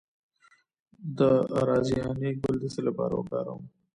د رازیانې ګل د څه لپاره وکاروم؟